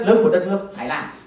rất lớn của đất nước phải làm